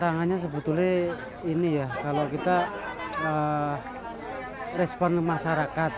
tantangannya sebetulnya ini ya kalau kita respon ke masyarakat